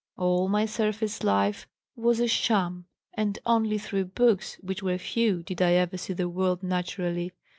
All my surface life was a sham, and only through books, which were few, did I ever see the world naturally.